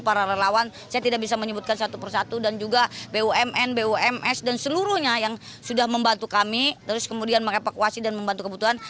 para relawan saya tidak bisa menyebutkan satu persatu dan juga bumn bums dan seluruhnya yang sudah membantu kami terus kemudian mengevakuasi dan membantu kebutuhan